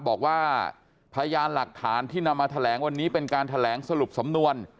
บอกว่าพยานหลักฐานที่นำมาแถลงวันนี้เป็นการแถลงสรุปสำนวน